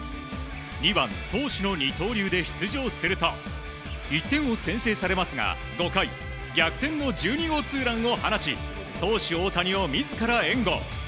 ２番投手の二刀流で出場すると１点を先制されますが５回逆転の１２号ツーランを放ち投手大谷を自ら援護。